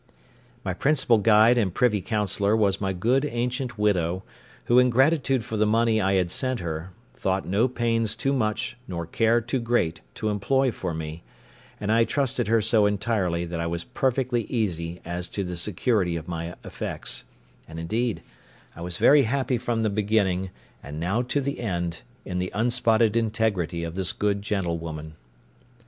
My principal guide and privy counsellor was my good ancient widow, who, in gratitude for the money I had sent her, thought no pains too much nor care too great to employ for me; and I trusted her so entirely that I was perfectly easy as to the security of my effects; and, indeed, I was very happy from the beginning, and now to the end, in the unspotted integrity of this good gentlewoman.